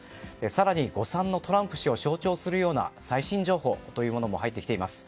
更に、誤算のトランプ氏を象徴するような最新情報も入ってきています。